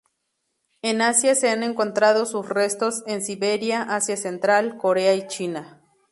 En Asia se han encontrado sus restos en Siberia, Asia Central, Corea y China.